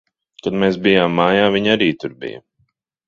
Kad mēs bijām mājā, viņa arī tur bija.